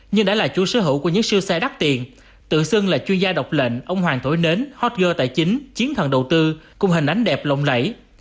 nhưng đã là chú sở hữu của những siêu xe đắt tiền tự xưng là chuyên gia độc lệnh ông hoàng tổi nến hot girl tài chính chiến thần đầu tư cùng hình ánh đẹp lộng lẫy